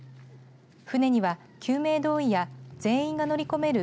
船には、救命胴衣や全員が乗り込める